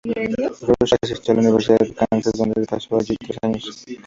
Rush asistió a la Universidad de Kansas, donde pasó allí tres años.